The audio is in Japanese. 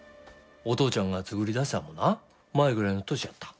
お父ちゃんが作りだしたんもな舞ぐらいの年やった。